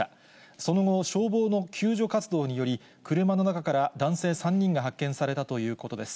その後、消防の救助活動により、車の中から男性３人が発見されたということです。